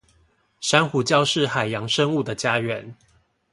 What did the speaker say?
珊瑚礁是海洋生物的家園